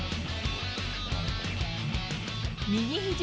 右ひじ